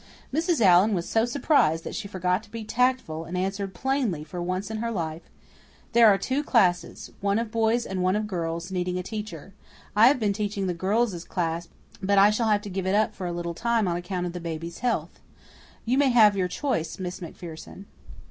Mrs. Allan was so surprised that she forgot to be tactful, and answered plainly for once in her life, "There are two classes one of boys and one of girls needing a teacher. I have been teaching the girls' class, but I shall have to give it up for a little time on account of the baby's health. You may have your choice, Miss MacPherson."